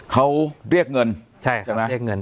เขาเรียกเงิน